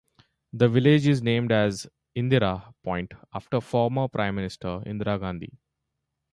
The village is named as Indira Point after former Prime Minister Indira Gandhi.